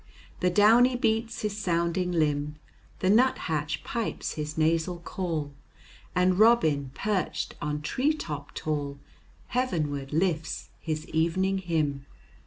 The downy beats his sounding limb, The nuthatch pipes his nasal call, And Robin perched on tree top tall Heavenward lifts his evening hymn.